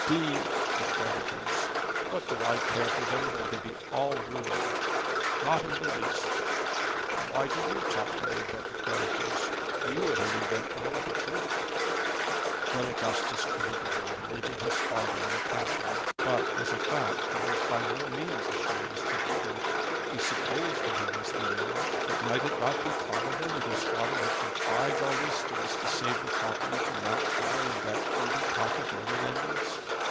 D the creditors! What do I care for them, though they be all ruined?" "Not in the least." "Why do you talk to me about the creditors? You, at any rate, know the truth." Then Augustus quitted the room, leaving his father in a passion. But, as a fact, he was by no means assured as to the truth. He supposed that he was the heir; but might it not be possible that his father had contrived all this so as to save the property from Mountjoy and that greedy pack of money lenders?